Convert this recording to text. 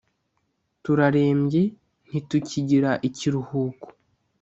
turarembye, ntitukigira ikiruhuko.